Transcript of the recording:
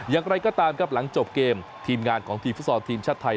อย่างไรก็ตามครับหลังจบเกมทีมงานของทีมฟุตซอลทีมชาติไทย